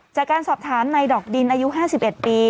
จากการสอบถามในดอกดินอายุ๕๑ปี